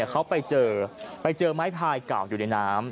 เขาไปเจอไปเจอไม้พายเก่าอยู่ในน้ำ